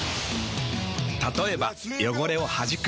たとえば汚れをはじく。